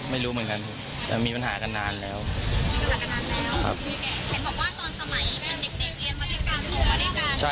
ไม่รู้เหมือนกันแต่มีปัญหากันนานแล้วมีปัญหากันนานแล้ว